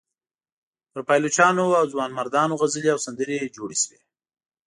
پر پایلوچانو او ځوانمردانو غزلې او سندرې جوړې شوې.